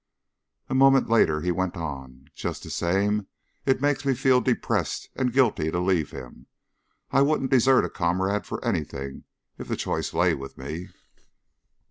A moment later he went on: "Just the same, it makes me feel depressed and guilty to leave him I I wouldn't desert a comrade for anything if the choice lay with me."